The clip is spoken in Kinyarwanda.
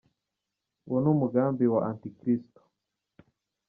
Uwo ni umugambi wa Anti Kristo.